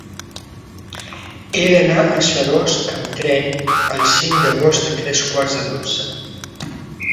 He d'anar a Seròs amb tren el cinc d'agost a tres quarts de dotze.